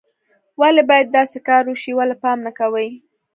ولې باید داسې کار وشي، ولې پام نه کوئ